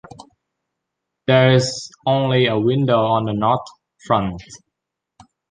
There is only a window on the North front.